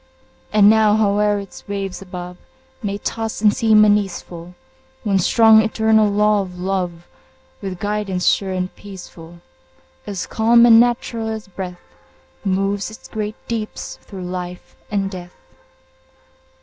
And now, howe'er its waves above May toss and seem uneaseful, One strong, eternal law of Love, With guidance sure and peaceful, As calm and natural as breath, Moves its great deeps through life and death.